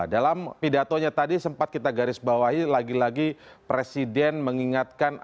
dalam pidatonya tadi sempat kita garis bawahi lagi lagi presiden mengingatkan